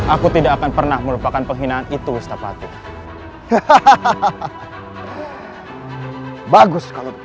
aku tidak akan pernah merupakan penghinaan itu wistapatu